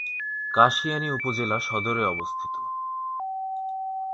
কাশিয়ানী উপজেলা সদরে অবস্থিত।